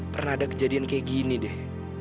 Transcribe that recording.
pernah ada kejadian kayak gini deh